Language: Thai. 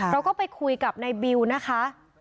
เราก็ไปคุยกับนายบิวนะคะ